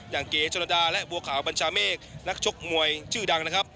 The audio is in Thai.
เก๋ชนระดาและบัวขาวบัญชาเมฆนักชกมวยชื่อดังนะครับ